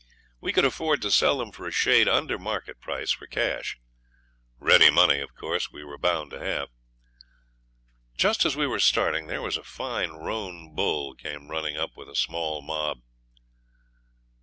We could afford to sell them for a shade under market price for cash. Ready money, of course, we were bound to have. Just as we were starting there was a fine roan bull came running up with a small mob.